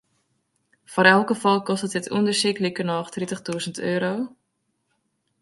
Foar elk gefal kostet it ûndersyk likernôch tritichtûzen euro.